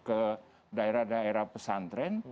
ke daerah daerah pesantren